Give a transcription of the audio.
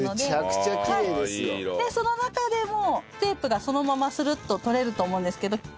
その中でもうテープがそのままスルッと取れると思うんですけど。